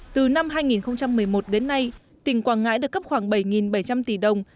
từ năm hai nghìn một mươi một đến nay tỉnh quảng ngãi được cấp khoảng bảy bảy trăm linh tỷ đồng